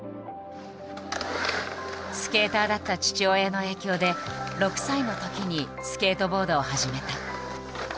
スケーターだった父親の影響で６歳のときにスケートボードを始めた。